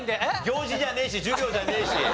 行事じゃねえし授業じゃねえし。